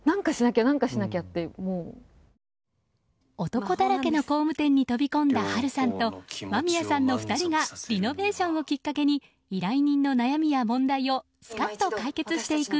男だらけの工務店に飛び込んだ波瑠さんと間宮さんの２人がリノベーションをきっかけに依頼人の悩みや問題をスカッと解決していく